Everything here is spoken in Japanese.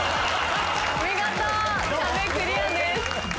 見事壁クリアです。